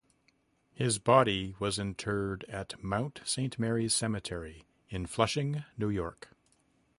His body was interred at Mount Saint Mary's Cemetery in Flushing, New York.